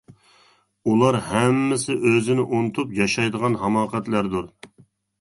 ئۇلار ھەممىسى ئۆزىنى ئۇنتۇپ ياشايدىغان ھاماقەتلەردۇر.